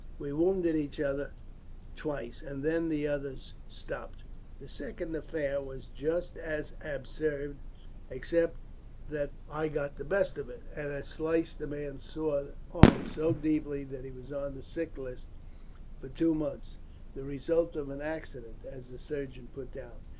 We wounded each other twice, and then the others stopped it. The second affair was just as absurd, except that there I got the best of it, and sliced the man's sword arm so deeply that he was on the sick list for two months the result of an accident, as the surgeon put it down.